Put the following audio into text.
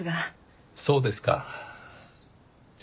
そうですか。